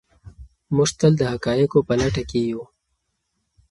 موږ تل د حقایقو په لټه کې یو.